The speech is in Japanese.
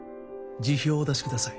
辞表をお出しください。